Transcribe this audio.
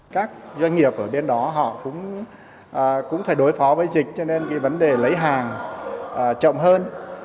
các doanh nghiệp ở bên đó họ cũng phải đối phó với dịch cho nên vấn đề lấy hàng trọng hơn